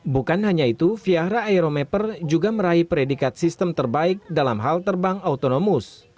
bukan hanya itu viahra aeromapper juga meraih peredikat sistem terbaik dalam hal terbang autonomous